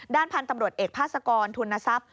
ด้านพันธุ์ตำรวจเอกพศกทุนนทรัพย์